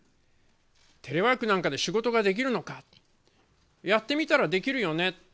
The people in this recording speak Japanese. テレワーク中で仕事ができるのかやってみたらできるよね。